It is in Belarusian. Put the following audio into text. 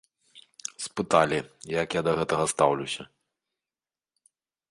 Спыталі, як я да гэтага стаўлюся.